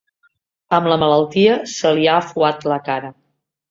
Amb la malaltia se li ha afuat la cara.